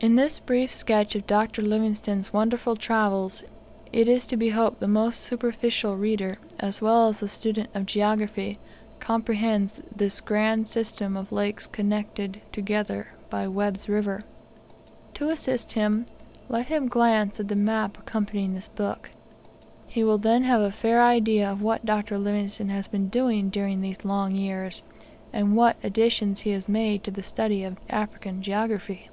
In this brief sketch of Dr. Livingstone's wonderful travels it is to be hoped the most superficial reader, as well as the student of geography, comprehends this grand system of lakes connected together by Webb's River. To assist him, let him glance at the map accompanying this book. He will then have a fair idea of what Dr. Livingstone has been doing during these long years, and what additions he has made to the study of African geography.